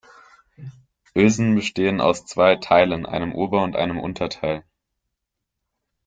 Ösen bestehen aus zwei Teilen, einem Ober- und einem Unterteil.